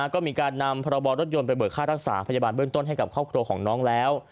ก็มีการนำพระบรรถยนต์ไปเบิกค่ารักษาพยาบาลเบื้องต้นให้กับครอบครัวของน้องแล้ว